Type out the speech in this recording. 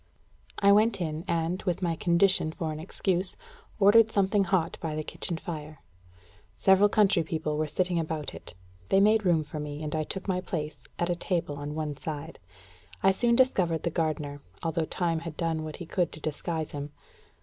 I went in, and, with my condition for an excuse, ordered something hot by the kitchen fire. Several country people were sitting about it. They made room for me, and I took my place at a table on one side. I soon discovered the gardener, although time had done what he could to disguise him.